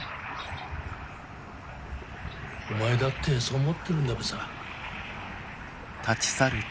お前だってそう思ってるんだべさ。